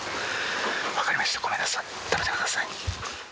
分かりました、ごめんなさい、食べてください。